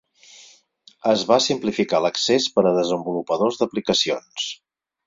Es va simplificar l'accés per a desenvolupadors d'aplicacions.